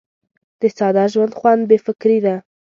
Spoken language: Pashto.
د ساده ژوند خوند بې فکري ده.